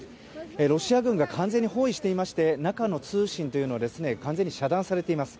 ロシア軍が完全に包囲していまして、中の通信は完全に遮断されています。